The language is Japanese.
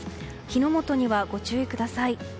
火の元にはご注意ください。